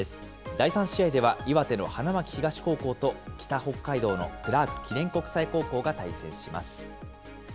第３試合では岩手の花巻東高校と、北北海道のクラーク記念国際高校が対戦します。